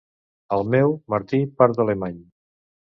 Al meu, Martí Pardo Alemany.